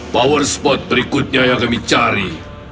power spot berikutnya yang kami cari